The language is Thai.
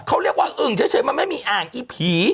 เขาเรียกว่าอึ่งเฉยมันไม่มีอ่างอีผี